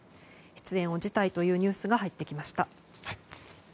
出演を辞退というニュースが入ってきました。